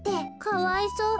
かわいそう。